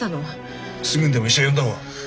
すぐにでも医者呼んだ方が。